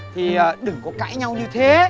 thì đừng có cãi nhau như thế